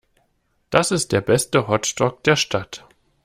Das ist der beste Hotdog der Stadt.